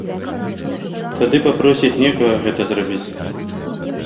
Тады папросіць некага гэта зрабіць.